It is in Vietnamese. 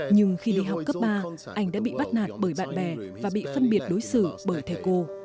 nhưng khi đi học cấp ba anh đã bị bắt nạt bởi bạn bè và bị phân biệt đối xử bởi thầy cô